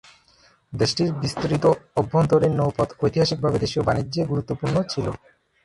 দেশটির বিস্তৃত অভ্যন্তরীণ নৌপথ ঐতিহাসিকভাবে দেশীয় বাণিজ্যে গুরুত্বপূর্ণ ছিল।